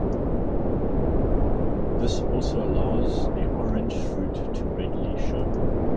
This also allows their orange fruit to readily show.